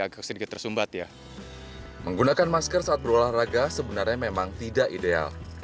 agak sedikit tersumbat ya menggunakan masker saat berolahraga sebenarnya memang tidak ideal